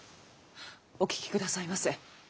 お聞き下さいませ。